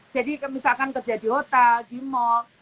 misalkan kerja di hotel di mall